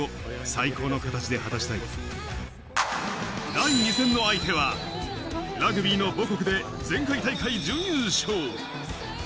第２戦の相手はラグビーの母国で前回大会、準優勝。